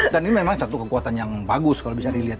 dan ini memang satu kekuatan yang bagus kalau bisa dilihat